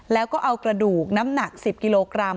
แล้วก็เอากระดูกน้ำหนัก๑๐กิโลกรัม